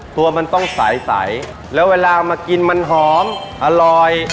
ตัวมันต้องใสแล้วเวลามากินมันหอมอร่อย